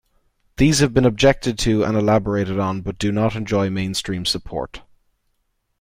These have been objected to and elaborated on but do not enjoy mainstream support.